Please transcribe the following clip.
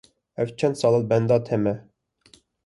Ev çend sal e li benda te me.